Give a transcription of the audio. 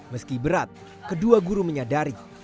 meski berat kedua guru menyadari